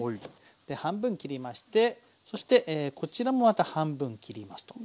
で半分切りましてそしてこちらもまた半分切りますと。